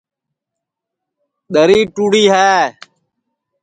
دری ٹُوڑی ہے